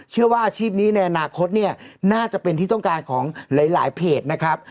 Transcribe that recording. อาชีพนี้ในอนาคตเนี่ยน่าจะเป็นที่ต้องการของหลายเพจนะครับ